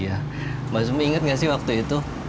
iya mbak sumi inget nggak sih waktu itu